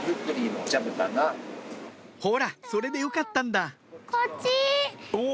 ほらそれでよかったんだ